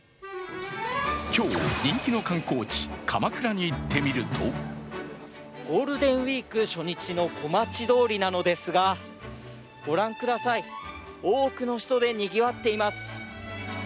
今日、人気の観光地鎌倉に行ってみるとゴールデンウイーク初日の小町通りなんですが、ご覧ください、多くの人でにぎわっています。